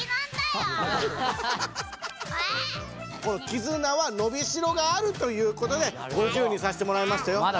このキズナはのびしろがあるということで５０にさせてもらいましたよ！